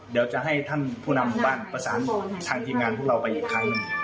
เดี๋ยวจะให้ท่านผู้นำหมู่บ้านประสานทางทีมงานพวกเราไปอีกครั้งหนึ่ง